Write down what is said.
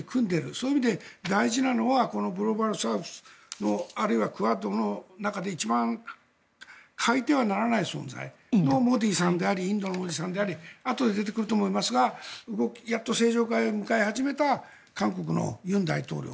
そういう意味で大事なのはグローバルサウスあるいはクアッドの中で一番欠いてはならない存在のそのモディさんでありあとで出てくると思いますがやっと正常化へ向かい始めた韓国の尹錫悦大統領